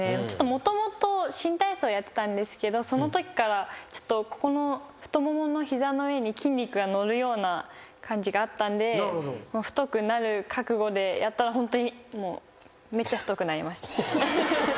もともと新体操やってたんですけどそのときからここの太ももの膝の上に筋肉が乗るような感じがあったんでもう太くなる覚悟でやったらホントにもうめっちゃ太くなりました。